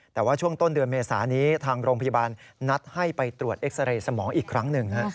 แต่ว่าช่วงต้นเดือนเมษานี้ทางโรงพยาบาลนัดให้ไปตรวจเอ็กซาเรย์สมองอีกครั้งหนึ่ง